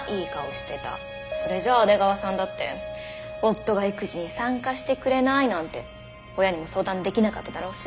それじゃあ阿出川さんだって「夫が育児に参加してくれない」なんて親にも相談できなかっただろうし。